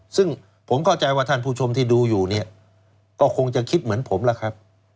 ซึ่งผมเข้าใจว่าท่านผู้ชมที่ดูอยู่เนี่ยก็คงจะคิดเหมือนผมล่ะครับ